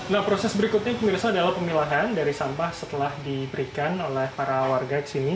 nah proses berikutnya adalah pemilihan dari sampah setelah diberikan oleh para warga di sini